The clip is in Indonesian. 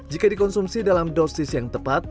jika dikonsumsi dalam dosis yang tepat